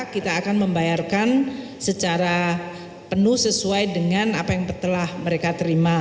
kita akan membayarkan secara penuh sesuai dengan apa yang telah mereka terima